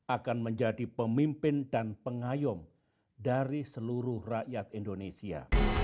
akan menjadi pemimpin dan pengayom dari seluruh rakyat indonesia